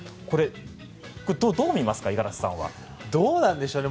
どうみますか、五十嵐さんは。どうなんでしょうね。